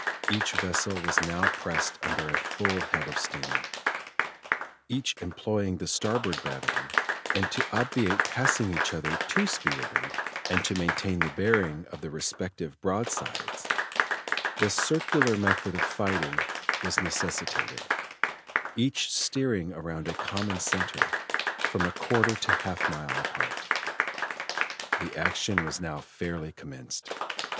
Each vessel was now pressed under a full head of steam, each employing the starboard battery, and to obviate passing each other too speedily, and to maintain the bearing of the respective broadsides, the circular method of fighting was necessitated, each steering around a common center, from a quarter to half a mile apart. The action was now fairly commenced.